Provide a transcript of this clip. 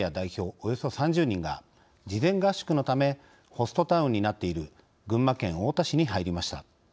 およそ３０人が事前合宿のためホストタウンになっている群馬県太田市に入りました。